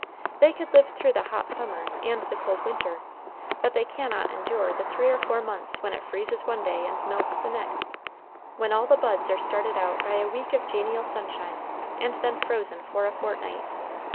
They could live through the hot summer and the cold winter, but they cannot endure the three or four months when it freezes one day and melts the next, when all the buds are started out by a week of genial sunshine, and then frozen for a fortnight.